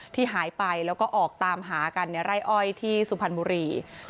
ที่หายไปแล้วก็ออกตามหากันในไร่อ้อยที่สุพรรณบุรี